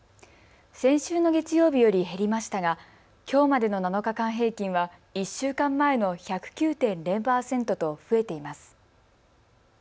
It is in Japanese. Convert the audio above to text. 先週の月曜日より減りましたがきょうまでの７日間平均は１週間前の１０９．０％と増えています。